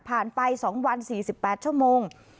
ผ่านไป๒วัน๔๘ชั่วโมง